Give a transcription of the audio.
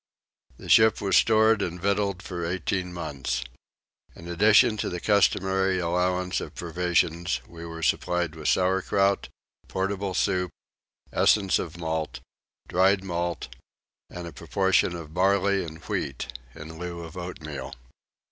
The ship was stored and victualled for eighteen months. In addition to the customary allowance of provisions we were supplied with sourkraut, portable soup, essence of malt, dried malt, and a proportion of barley and wheat in lieu of oatmeal.